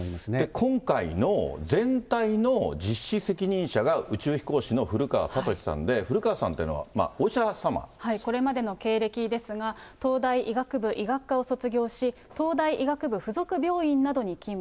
今回の全体の実施責任者が宇宙飛行士の古川聡さんで、これまでの経歴ですが、東大医学部医学科を卒業し、東大医学部付属病院などに勤務。